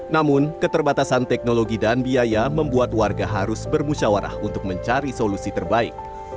namun keterbatasan teknologi dan biaya membuat warga harus bermusyawarah untuk mencari solusi terbaik